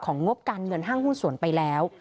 งบการเงินห้างหุ้นส่วนไปแล้ว